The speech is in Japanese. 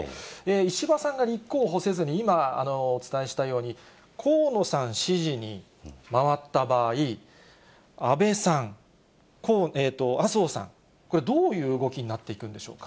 石破さんが立候補せずに、今、お伝えしたように、河野さん支持に回った場合、安倍さん、麻生さん、これ、どういう動きになっていくんでしょうか。